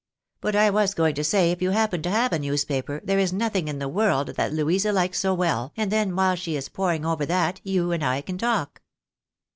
But I was going to say that if you happen to have a newspaper, there is nothing in the world that Louisa likes so well ; and then while she is poring over that, you and I can talk."